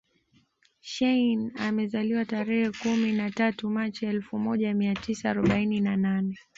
Shein amezaliwa tarehe kumi na tatu machi elfu moja mia tisa arobaini na nane